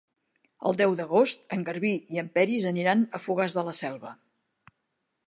El deu d'agost en Garbí i en Peris aniran a Fogars de la Selva.